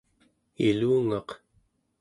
ilungaq